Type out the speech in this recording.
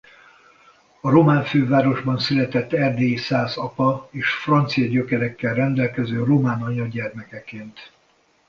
A román fővárosban született erdélyi szász apa és francia gyökerekkel rendelkező román anya gyermekeként.